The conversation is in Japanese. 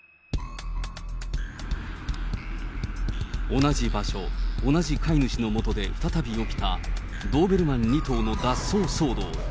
同じ場所、同じ飼い主のもとで再び起きた、ドーベルマン２頭の脱走騒動。